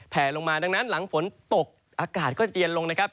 แผลลงมาดังนั้นหลังฝนตกอากาศก็จะเย็นลงนะครับ